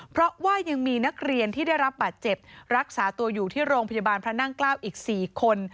เพราะว่ายังมีนักเรียนที่ได้รับบาดเจ็บรักษาตัวอยู่ที่โรงพยาบาลพระนั่งเกล้าอีก๔คน